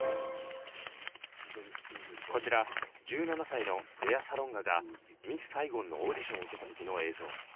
こちら１７歳のレア・サロンガが「ミス・サイゴン」のオーディションを受けた時の映像。